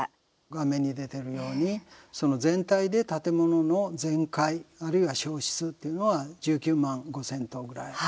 画面に出てるようにその全体で建物の全壊あるいは焼失というのは１９万５０００棟ぐらい。